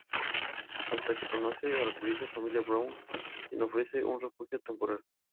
Hasta que conoce a la curiosa familia Brown, quien le ofrece un refugio temporal.